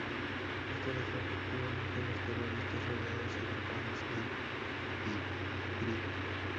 Esto dejó efectivamente los terroristas rodeados y atrapados en Tikrit.